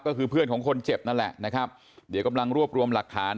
ก็คือเพื่อนของคนเจ็บนั่นแหละนะครับเดี๋ยวกำลังรวบรวมหลักฐาน